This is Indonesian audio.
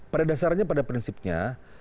pada dasarnya pada prinsipnya